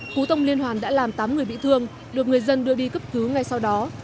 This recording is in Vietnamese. cú tông liên hoàn đã làm tám người bị thương được người dân đưa đi cấp cứu ngay sau đó